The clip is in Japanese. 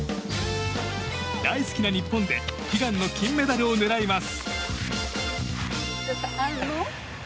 大好きな日本で悲願の金メダルを狙います。